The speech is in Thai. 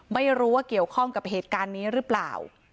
ไม่รู้ว่าเกี่ยวข้องกับเหตุการณ์นี้หรือเปล่า